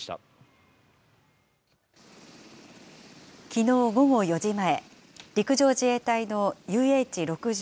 きのう午後４時前、陸上自衛隊のＵＨ６０